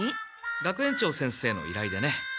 学園長先生の依頼でね。